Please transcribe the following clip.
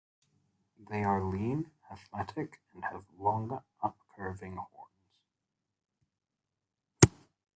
They are lean, athletic, and have long upcurving horns.